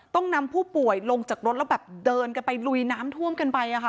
ต้องนำผู้ป่วยลงจากรถแล้วแบบเดินกันไปลุยน้ำท่วมกันไป